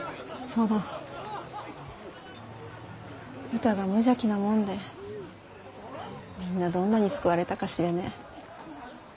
うたが無邪気なもんでみんなどんなに救われたか知れねぇ。